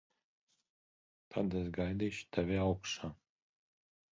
Tad es gaidīšu tevi augšā.